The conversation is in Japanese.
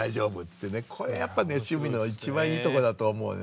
これやっぱね趣味の一番いいとこだと思うね。